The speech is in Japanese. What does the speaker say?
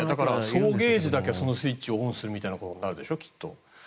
送迎時だけそのスイッチをオンするみたいなことになるでしょ、きっと。